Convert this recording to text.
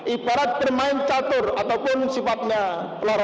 ibarat bermain catur ataupun sifatnya olahraga